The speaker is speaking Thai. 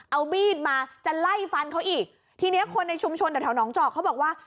เอาบีดมาจะไล่ฟันเขาอีกทีนี้คนในชุมชนเดี๋ยวแถวน้องเจาะเขาบอกว่า